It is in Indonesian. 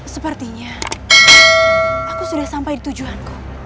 sepertinya aku sudah sampai tujuan